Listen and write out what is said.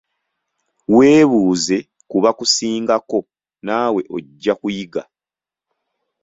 Weebuuze ku bakusingako naawe ojja kuyiga.